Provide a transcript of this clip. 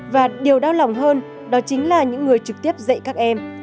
và điều đau lòng hơn đó chính là những người trực tiếp dạy các em